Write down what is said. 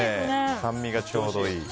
酸味がちょうどいい。